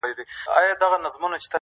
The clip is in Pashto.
یوه ورځ پاچا وو غلی ورغلی؛